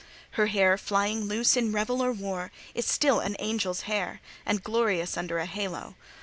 Her hair, flying loose in revel or war, is still an angel's hair, and glorious under a halo.